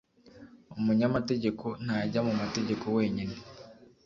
umunyamategeko ntajya mu mategeko wenyine.